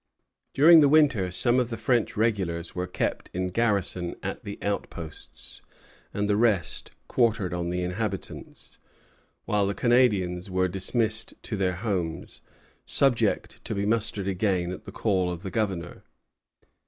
During the winter some of the French regulars were kept in garrison at the outposts, and the rest quartered on the inhabitants; while the Canadians were dismissed to their homes, subject to be mustered again at the call of the Governor.